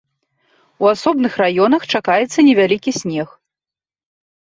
У асобных раёнах чакаецца невялікі снег.